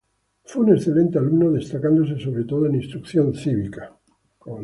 Fue un excelente alumno, destacándose sobre todo en Instrucción Cívica.